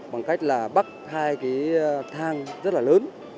bằng cách bắt hai thang rất lớn